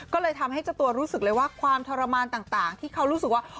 ก็เลยทำให้เจ้าตัวรู้สึกเลยว่าความทรมานต่างที่เขารู้สึกว่า